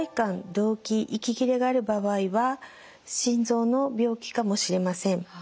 動悸息切れがある場合は心臓の病気かもしれません。